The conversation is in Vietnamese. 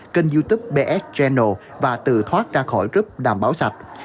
kênh youtube bs channel và từ thoát ra khỏi group làm báo sạch